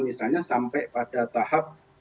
misalnya sampai pada tahap